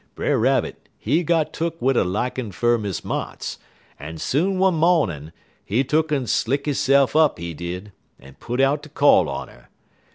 Brer Rabbit, he got tuk wid a likin' fer Miss Motts, en soon one mawnin', he tuck'n slick hisse'f up, he did, en put out ter call on 'er.